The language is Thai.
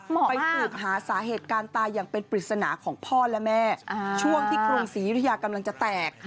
ไปสืบหาสาเหตุการตายอย่างเป็นปริศนาของพ่อและแม่ช่วงที่กรุงศรียุธยากำลังจะแตก